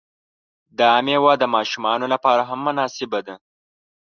دا میوه د ماشومانو لپاره هم مناسبه ده.